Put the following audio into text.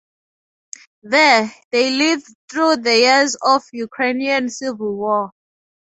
There they lived through the years of Ukrainian Civil War.